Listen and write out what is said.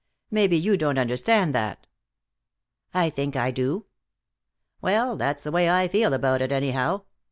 Maybe you don't understand that." "I think I do." "Well, that's the way I feel about it, anyhow.